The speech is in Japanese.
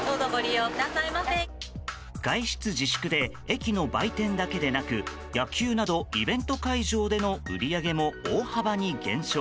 外出自粛で駅の売店だけでなく野球などイベント会場での売り上げも大幅に減少。